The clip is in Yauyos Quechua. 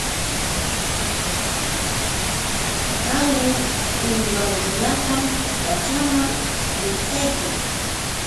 Qalay uywankunatam kaćhanman wićhqaykun.